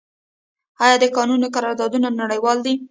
آیا د کانونو قراردادونه نړیوال دي؟